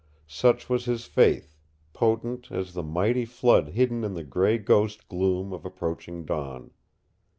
Such was his faith, potent as the mighty flood hidden in the gray ghost gloom of approaching dawn.